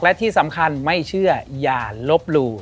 และที่สำคัญไม่เชื่ออย่าลบหลู่